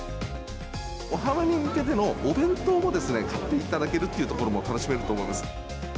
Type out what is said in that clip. お花見に向けてのお弁当も買っていただけるというところも楽しめると思います。